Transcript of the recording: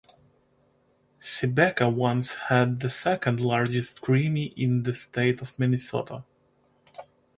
Sebeka once had the second largest creamery in the state of Minnesota.